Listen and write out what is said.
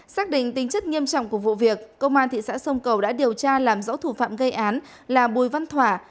xác định tính chất nghiêm trọng của vụ việc công an thị xã sông cầu đã điều tra làm rõ thủ phạm gây án là bùi văn thỏa